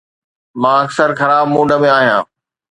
مان اڪثر خراب موڊ ۾ آهيان